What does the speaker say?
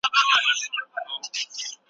مسواک وهل د پوهانو په وینا ډېر ګټور دي.